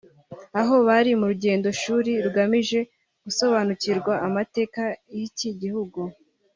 aho bari mu rugendoshuri rugamije gusobanukirwa amateka y’iki gihugu